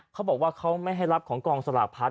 เขาบอกว่าเขาไม่ให้รับของกองสลากพัด